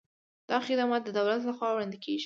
دا خدمات د دولت له خوا وړاندې کیږي.